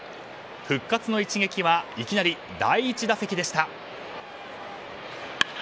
復活の一撃はいきなり第１打席でした。